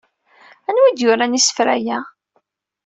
Anwa ay d-yuran isefra-a?